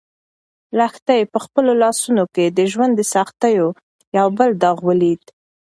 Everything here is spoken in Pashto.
لښتې په خپلو لاسو کې د ژوند د سختیو یو بل داغ ولید.